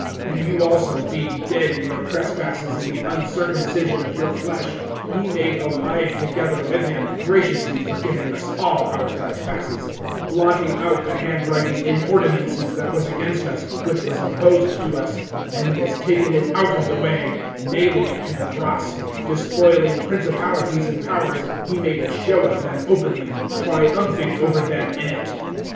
(13)And you also, being dead in your trespasses and the uncircumcision of your flesh, he made alive together with him, graciously forgiving us all our trespasses; (14)blotting out the handwriting in ordinances that was against us, which was opposed to us, and he has taken it out of the way, nailing it to the cross; (15)despoiling principalities and powers[2:15a], he made a show of them openly, triumphing over them in it[2:15b].